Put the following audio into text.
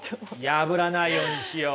破らないようにしよう。